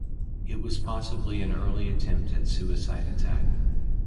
It was possibly an early attempt at suicide attack.